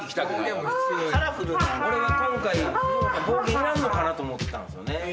俺は今回冒険いらんのかなと思ったんすよね。